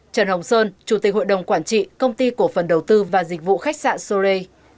trần hồng sơn chủ tịch hội đồng quản trị công ty cổ phần đầu tư và dịch vụ khách sạn sore